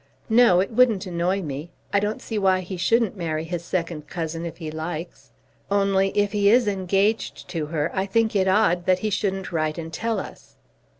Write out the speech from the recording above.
No; it wouldn't annoy me. I don't see why he shouldn't marry his second cousin if he likes. Only if he is engaged to her, I think it odd that he shouldn't write and tell us."